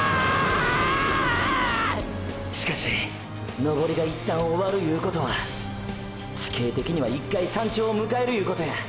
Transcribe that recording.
しかし登りが一旦終わるいうことは地形的には一回山頂迎えるいうことや。